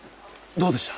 どうでした？